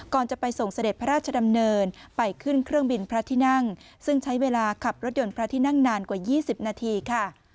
จะไปส่งเสด็จพระราชดำเนินไปขึ้นเครื่องบินพระที่นั่งซึ่งใช้เวลาขับรถยนต์พระที่นั่งนานกว่า๒๐นาทีค่ะ